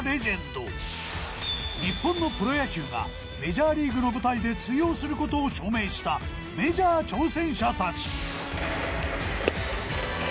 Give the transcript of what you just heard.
日本のプロ野球がメジャーリーグの舞台で通用する事を証明したメジャー挑戦者たち。